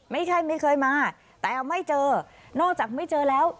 ไม่ใช่ไม่เคยมาแต่ไม่เจอนอกจากไม่เจอแล้ว